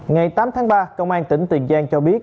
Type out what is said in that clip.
ngày tám tháng ba công an tỉnh tiền giang cho biết